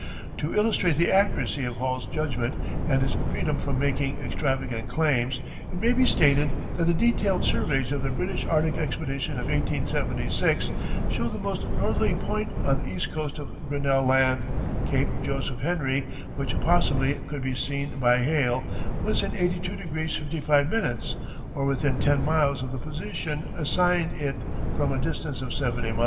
To illustrate the accuracy of Hall's judgment and his freedom from making extravagant claims, it may be stated that the detailed surveys of the British Arctic expedition of 1876 show the most northerly point on the east coast of Grinnell Land, Cape Joseph Henry, which possibly could be seen by Hall, was in 82° 55´, or within ten miles of the position assigned it from a distance of seventy miles.